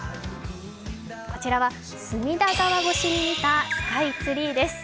こちらは隅田川越しに見たスカイツリーです。